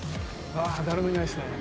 あ誰もいないですね。